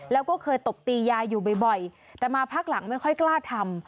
แล้วก็เคยตบตียายอยู่บ่อยแต่มาพักหลังไม่ค่อยกล้าทำ